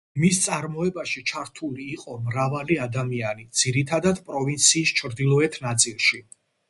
მის წარმოებაში ჩართული იყო მრავალი ადამიანი, ძირითადად პროვინციის ჩრდილოეთ ნაწილში.